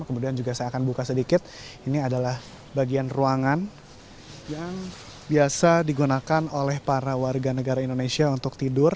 kemudian juga saya akan buka sedikit ini adalah bagian ruangan yang biasa digunakan oleh para warga negara indonesia untuk tidur